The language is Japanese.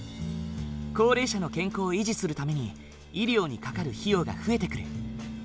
高齢者の健康を維持するために医療にかかる費用が増えてくる。